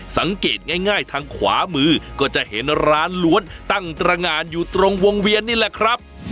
สังเกตง่ายทางขวามือก็จะเห็นร้านล้วนตั้งตรงานอยู่ตรงวงเวียนนี่แหละครับ